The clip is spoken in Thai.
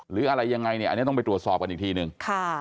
หรืออะไรยังไงเนี่ยอันนี้ต้องไปตรวจสอบกันอีกทีนึง